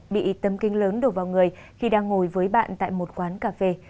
bị tấm kinh lớn đổ vào người khi đang ngồi với bạn tại một quán cà phê